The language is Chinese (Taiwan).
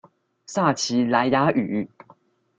撒奇萊雅語